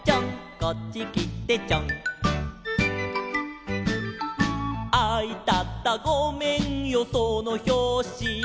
「こっちきてちょん」「あいたたごめんよそのひょうし」